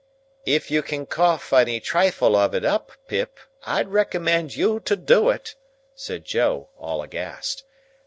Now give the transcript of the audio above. "If you can cough any trifle on it up, Pip, I'd recommend you to do it," said Joe, all aghast.